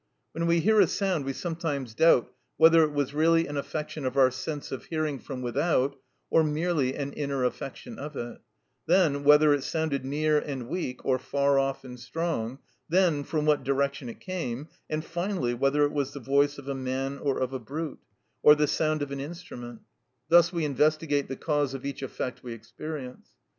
When we hear a sound we sometimes doubt whether it was really an affection of our sense of hearing from without or merely an inner affection of it; then whether it sounded near and weak or far off and strong, then from what direction it came, and finally whether it was the voice of a man or of a brute, or the sound of an instrument; thus we investigate the cause of each effect we experience.